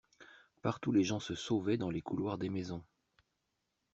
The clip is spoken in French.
Partout les gens se sauvaient dans les couloirs des maisons.